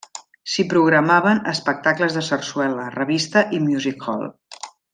S'hi programaven espectacles de sarsuela, revista i music-hall.